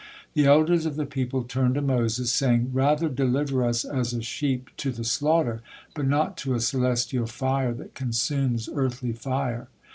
The elders of the people turned to Moses, saying: "Rather deliver us as a sheep to the slaughter, but not to a celestial fire that consumes earthly fire."